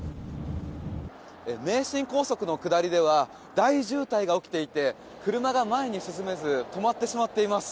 名神高速の下りでは大渋滞が起きていて車が前に進めず止まってしまっています。